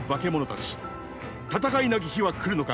戦いなき日は来るのか。